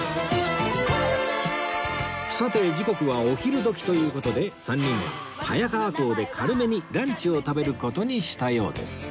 さて時刻はお昼時という事で３人は早川港で軽めにランチを食べる事にしたようです